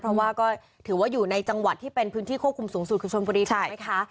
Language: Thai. เพราะว่าก็ถือว่าอยู่ในจังหวัดที่เป็นพื้นที่ควบคุมสูงสุดคือชนบุรีถูกไหมคะ